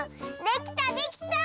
できたできた！